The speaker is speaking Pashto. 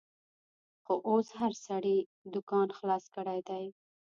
خو اوس هر سړي دوکان خلاص کړیدی